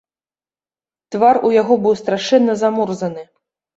Твар у яго быў страшэнна замурзаны.